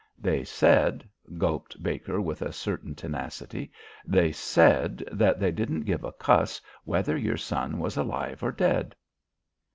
"They said " gulped Baker, with a certain tenacity. "They said that they didn't give a cuss whether your son was alive or dead."